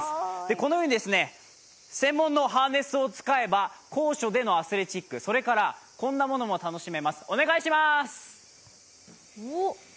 このように専門のハーネスを使えば高所でのアスレチック、それからこんなものも楽しめます、お願いします。